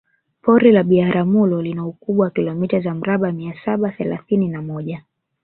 Pori la Biharamulo lina ukubwa wa kilomita za mraba mia saba thelathini na moja